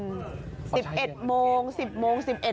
๑๐นี้ซะ